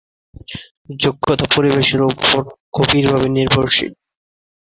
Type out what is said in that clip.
যোগ্যতা পরিবেশের উপরও গভীরভাবে নির্ভরশীল।